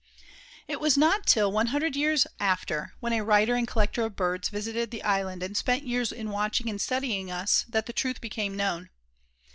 It was not till one hundred years after, when a writer and collector of birds visited the island, and spent years in watching and studying us, that the truth became known.